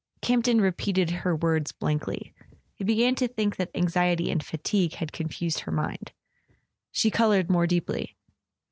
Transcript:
Campton repeated her words blankly. He began to think that anxiety and fatigue had confused her mind. She coloured more deeply.